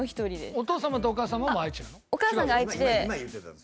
お父様とお母様も愛知なの？